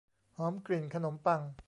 หอมกลิ่นขนมปัง